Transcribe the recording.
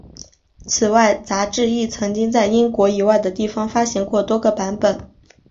此外杂志亦曾经在英国以外的地方发行过多个版本。